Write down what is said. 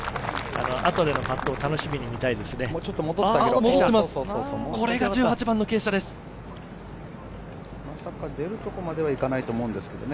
あとのパットを楽しみに見たいですね。